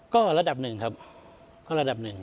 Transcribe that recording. ก็ระดับหนึ่งครับก็ระดับหนึ่ง